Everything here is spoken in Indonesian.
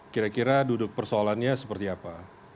kira kira duduk persoalannya seperti apa